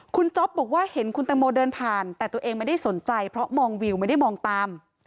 คุณจ๊อปบอกว่าเห็นคุณตังโมเดินผ่านแต่ตัวเองไม่ได้สนใจเพราะมองวิวไม่ได้มองตาม